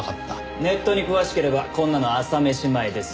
ネットに詳しければこんなの朝飯前ですよ。